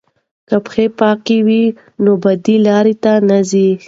که پښې پاکې وي نو بدې لارې ته نه ځي.